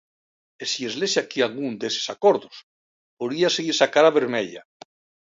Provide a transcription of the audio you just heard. E se lles lese aquí algún deses acordos, poríaselles a cara vermella.